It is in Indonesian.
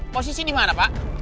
posisi dimana pak